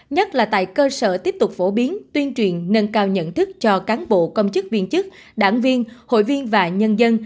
nhất là tại cơ sở tiếp tục phổ biến tuyên truyền nâng cao nhận thức cho cán bộ công chức viên chức đảng viên hội viên và nhân dân